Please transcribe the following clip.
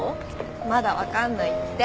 まだ分かんないって。